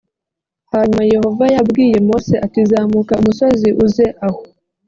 hanyuma yehova yabwiye mose ati zamuka umusozi uze aho